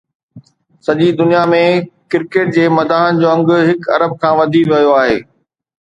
سڄي دنيا ۾ ڪرڪيٽ جي مداحن جو انگ هڪ ارب کان وڌي ويو آهي